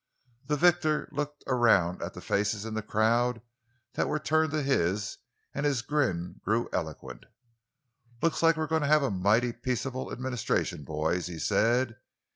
The victor looked around at the faces in the crowd that were turned to his, and his grin grew eloquent. "Looks like we're going to have a mighty peaceable administration, boys!" he said.